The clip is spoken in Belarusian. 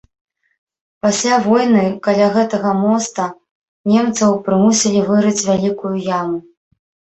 Пасля войны каля гэтага моста немцаў прымусілі вырыць вялікую яму.